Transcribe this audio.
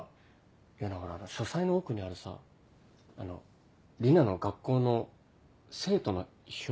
いやだからあの書斎の奥にあるさあの里奈の学校の生徒の表？